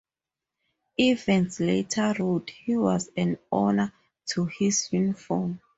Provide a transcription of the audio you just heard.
Evans later wrote: He was an honor to his uniform.